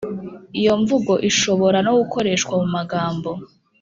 lyo mvugo ishobora no gukoreshwa mu 'magambo